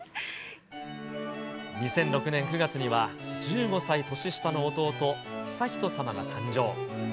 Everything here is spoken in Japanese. ２００６年９月には、１５歳年下の弟、悠仁さまが誕生。